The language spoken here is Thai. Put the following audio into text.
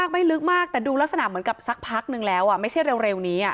ไม่ลึกมากแต่ดูลักษณะเหมือนกับสักพักนึงแล้วไม่ใช่เร็วนี้